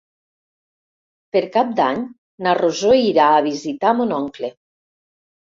Per Cap d'Any na Rosó irà a visitar mon oncle.